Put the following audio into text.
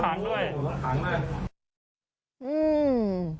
รถถังด้วย